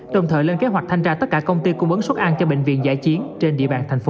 đồng thời lên kế hoạch thanh tra tất cả công ty cung bấn xuất ăn cho bệnh viện giải chiến trên địa bàn thành phố